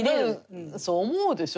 そう思うでしょ？